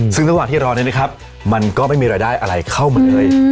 ซึ่งระหว่างที่รอเนี่ยนะครับมันก็ไม่มีรายได้อะไรเข้ามาเลย